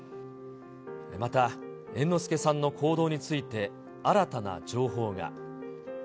また猿之助さんの行動について新たな情報が。